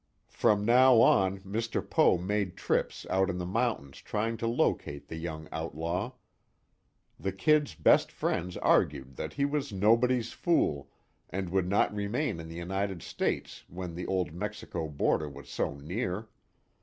From now on Mr. Poe made trips out in the mountains trying to locate the young outlaw. The "Kid's" best friends argued that he was "nobody's fool," and would not remain in the United States, when the Old Mexico border was so near.